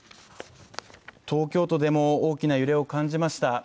東京都でも大きな揺れを感じました。